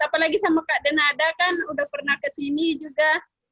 apalagi sama kak denada kan udah pernah kesini juga